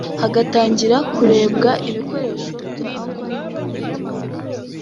hagatangira kurebwa ibikoresho bya Akon n’ibindi